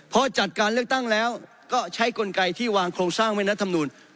พอจัดการเลือกตั้งแล้วก็ใช้กลไกที่วางโครงสร้างไว้รัฐธรรมนูล